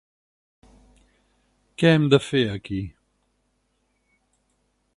Què hem de fer aquí?